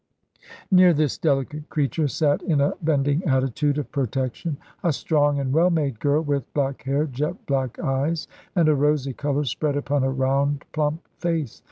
Near this delicate creature sate, in a bending attitude of protection, a strong and well made girl, with black hair, jet black eyes, and a rosy colour spread upon a round plump face.